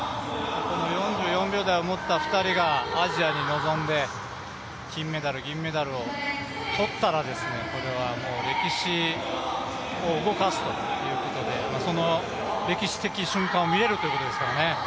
この４４秒台を持った２人がアジアに臨んで、金メダル、銀メダルを取ったらこれは歴史を動かすということで、その歴史的瞬間を見れるということですからね。